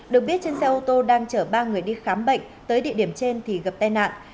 được biết trên xe ô tô đang chở ba người đi khám bệnh tới địa điểm trên thì gặp tai nạn